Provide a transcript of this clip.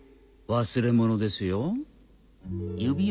忘れ物ですよ。